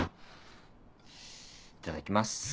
いただきます。